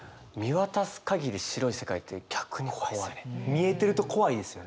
見えてると怖いですよね。